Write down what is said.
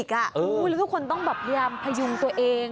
แล้วทุกคนต้องแบบพยายามพยุงตัวเอง